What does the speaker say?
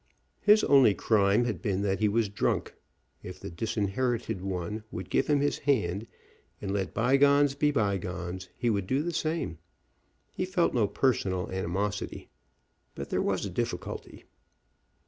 His only crime had been that he was drunk. If the disinherited one would give him his hand and let by gones be by gones, he would do the same. He felt no personal animosity. But there was a difficulty.